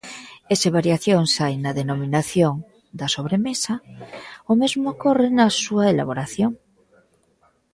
E se variacións hai na denominación da sobremesa, o mesmo ocorre na súa elaboración.